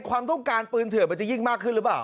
ความต้องการปืนเถื่อนมันจะยิ่งมากขึ้นหรือเปล่า